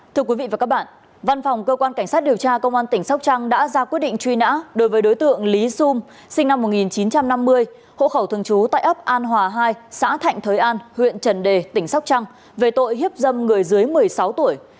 thưa quý vị và các bạn văn phòng cơ quan cảnh sát điều tra công an tỉnh sóc trăng đã ra quyết định truy nã đối với đối tượng lý xung sinh năm một nghìn chín trăm năm mươi hộ khẩu thường trú tại ấp an hòa hai xã thạnh thới an huyện trần đề tỉnh sóc trăng về tội hiếp dâm người dưới một mươi sáu tuổi